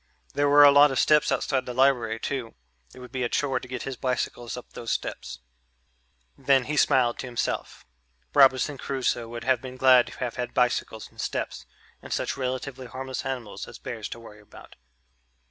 There were a lot of steps outside the library too it would be a chore to get his bicycles up those steps. Then he smiled to himself. Robinson Crusoe would have been glad to have had bicycles and steps and such relatively harmless animals as bears to worry about.